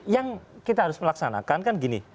yang kita harus melaksanakan kan gini